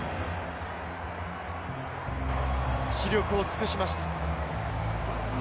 死力を尽くしました。